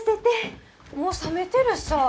もう冷めてるさぁ。